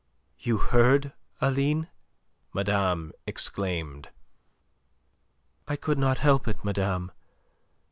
"You heard, Aline?" madame exclaimed. "I could not help it, madame.